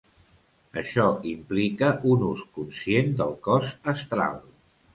Això implica un ús conscient del cos astral.